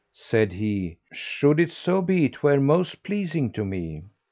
Said he, "Should it so be, 'twere most pleasing to me."